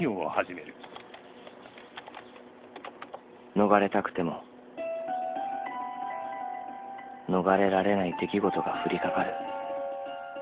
［逃れたくても逃れられない出来事が降りかかる］